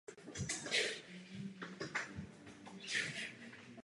A vše v bezpečí fikce.